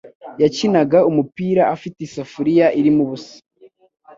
Yakinaga umupira afite isafuriya irimo ubusa.